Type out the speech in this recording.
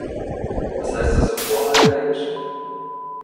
Was heißt das auf Vorarlbergisch?